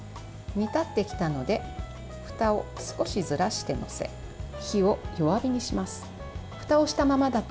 煮立ってきたのでふたを少しずらして載せ火を弱火にします。